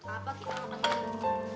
apa kita makan dulu